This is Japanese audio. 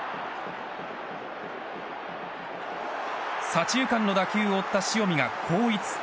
左中間の打球を追った塩見が後逸。